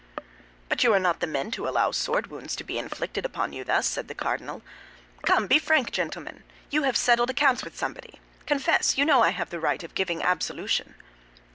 "But you are not the men to allow sword wounds to be inflicted upon you thus," said the cardinal. "Come, be frank, gentlemen, you have settled accounts with somebody! Confess; you know I have the right of giving absolution."